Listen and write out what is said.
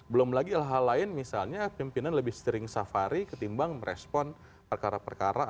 belum lagi hal hal lain misalnya pimpinan lebih sering safari ketimbang merespon perkara perkara